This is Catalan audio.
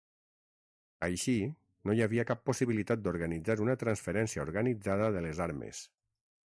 Així, no hi havia cap possibilitat d'organitzar una transferència organitzada de les armes.